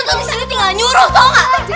lu tuh disini tinggal nyuruh tau gak